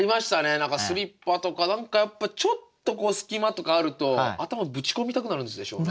何かスリッパとか何かやっぱちょっと隙間とかあると頭ぶち込みたくなるんでしょうね。